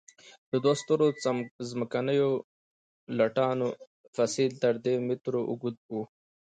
د دوو سترو ځمکنیو لټانو فسیل تر درې مترو اوږده وو.